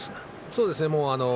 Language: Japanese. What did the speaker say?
そうですね。